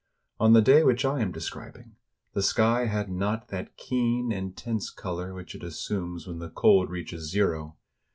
On the day which I am describing, the sky had not that keen, intense color which it assumes when the cold reaches zero.